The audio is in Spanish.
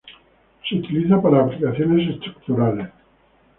Se utiliza para aplicaciones estructurales.